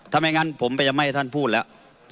ถ้าไม่งั้นผมพยายามไม่ให้ท่านพูดแล้ว